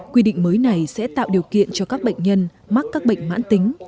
quy định mới này sẽ tạo điều kiện cho các bệnh nhân mắc các bệnh mãn tính